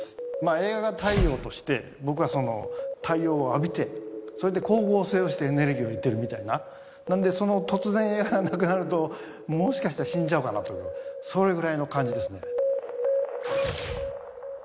映画が太陽として僕はその太陽を浴びてそれで光合成をしてエネルギーを得てるみたいななんで突然映画がなくなるともしかしたら死んじゃうかなというそれぐらいの感じですね